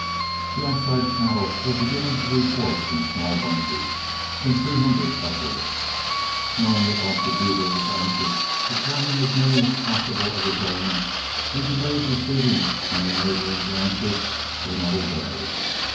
The outside cattle were beginning to report in small bunches, from three hundred upward. Knowing that Dr. Beaver was anxious to turn in as many as possible of his own, we delayed receiving from the neighboring ranches for another day.